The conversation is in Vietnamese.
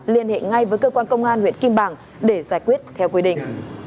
liên hệ ngay với cơ quan công an huyện kim bảng để giải quyết theo quy định